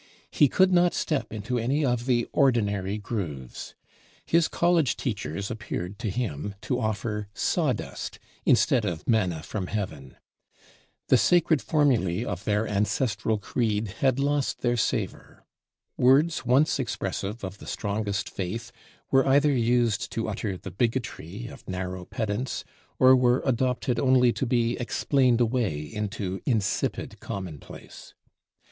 He could not step into any of the ordinary grooves. His college teachers appeared to him to offer "sawdust" instead of manna from heaven. The sacred formulæ of their ancestral creed had lost their savor. Words once expressive of the strongest faith were either used to utter the bigotry of narrow pedants, or were adopted only to be explained away into insipid commonplace.